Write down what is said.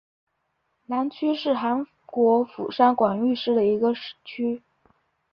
南区是韩国釜山广域市的一个区。